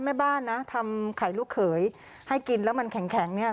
แม่บ้านนะทำไข่ลูกเขยให้กินแล้วมันแข็งเนี่ย